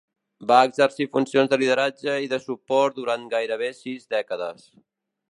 Va exercir funcions de lideratge i de suport durant gairebé sis dècades.